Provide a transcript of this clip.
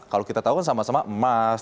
kalau kita tahu kan sama sama emas